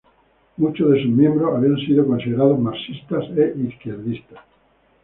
Muchos de los miembros habían sido considerados marxistas e izquierdistas.